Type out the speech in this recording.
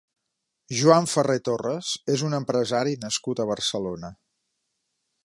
Joan Ferrer Torres és un empresari nascut a Barcelona.